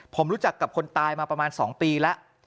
ผมรู้จักกับคนตายมาประมาณ๒ปีแล้ว